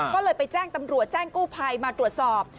ก็เลยไปแจ้งตำรวจแจ้งกู้ภัยมาตรวจสอบ